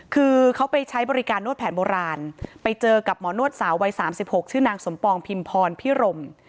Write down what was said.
คือเขาไปใช้บริการนวดแผนโบราณไปเจอกับหมอนวดสาววัย๓๖ชื่อนางสมปองพิมพรพิรม